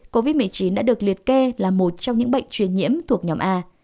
covid một mươi chín đã được liệt kê là một trong những bệnh truyền nhiễm thuộc nhóm a